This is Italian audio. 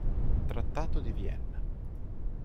Trattato di Vienna